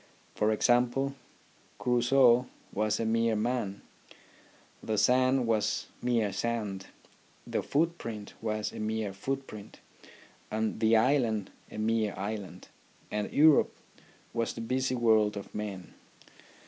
For example, Crusoe was a mere man, the sand was mere sand, the footprint was a mere footprint, and the island a mere island, and Europe was the busy world of men.